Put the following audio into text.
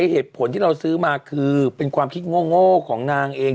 เหตุผลที่เราซื้อมาคือเป็นความคิดโง่ของนางเอง